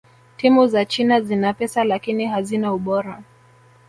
timu za china zina pesa lakini hazina ubora